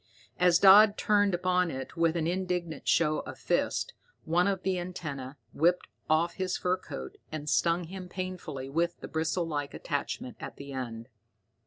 As Dodd turned upon it with an indignant show of fists, one of the antennae whipped off his fur coat and stung him painfully with the bristle like attachment at the end.